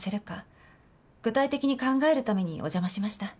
具体的に考えるためにお邪魔しました。